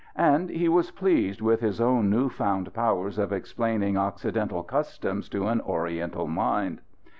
And he was pleased with his own new found powers of explaining Occidental customs to an Oriental mind.